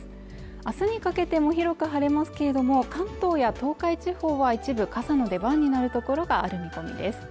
あすにかけても広く晴れますけれども、関東や東海地方は一部傘の出番になるところがある見込みです。